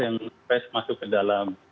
yang fresh masuk ke dalam